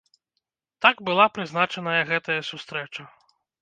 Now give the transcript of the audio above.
Так была прызначаная гэтая сустрэча.